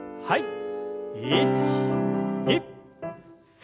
はい。